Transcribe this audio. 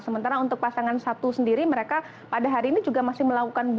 sementara untuk pasangan satu sendiri mereka pada hari ini juga masih melakukan